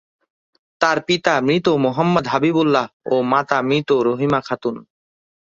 তার পিতা মৃত মোহাম্মদ হাবিব উল্লাহ ও মাতা মৃত রহিমা খাতুন।